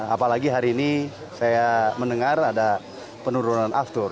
apalagi hari ini saya mendengar ada penurunan aftur